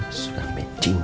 aduh aduh aduh